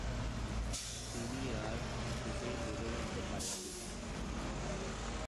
তিনি আর নিজেকে মেলে ধরতে পারেননি।